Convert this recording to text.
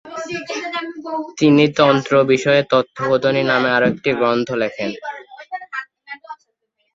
তিনি তন্ত্র বিষয়ে তত্ত্ববোধিনী নামে আরও একটি গ্রন্থ লেখেন।